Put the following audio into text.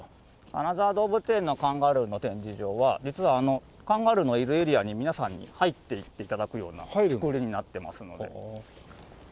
金沢動物園のカンガルーの展示場は実はカンガルーのいるエリアに皆さんに入っていって頂くような作りになってますので。